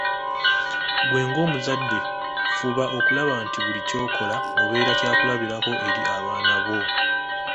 Ggwe ng’omuzadde fuba okulaba nti buli ky’okola obeera kya kulabirako eri abaana bo.